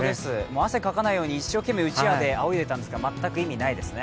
汗かかないように一生懸命うちわであおいでいたんですが、意味ないですね。